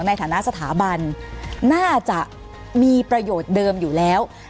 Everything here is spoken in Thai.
ในฐานะสถาบันน่าจะมีประโยชน์เดิมอยู่แล้ว